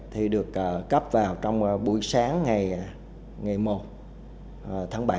thì được cấp vào trong buổi sáng ngày ngày một tháng bảy